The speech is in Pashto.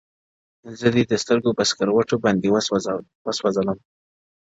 زه دې د سترگو په سکروټو باندې وسوځلم _